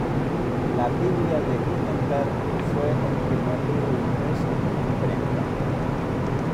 La "Biblia de Gutenberg" fue el primer libro impreso en una imprenta.